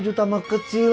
dua juta mah kecil